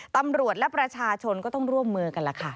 ตำรวจและประชาชนก็ต้องร่วมมือกันล่ะค่ะ